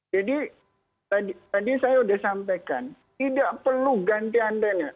jadi tadi saya sudah sampaikan tidak perlu ganti antennya